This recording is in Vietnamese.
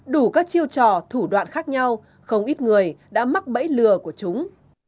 đủ các chiêu trò thủ đoạn khác nhau không ít người đã mắc bẫy lừa của chúng